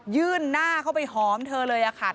ยื่นหน้าเขาไปหอมเธอเลยอะค่ะ